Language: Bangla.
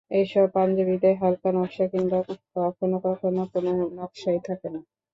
এসব পাঞ্জাবিতে হালকা নকশা কিংবা কখনো কখনো কোনো নকশাই থাকে না।